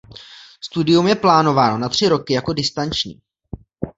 Studium je plánováno na tři roky jako distanční.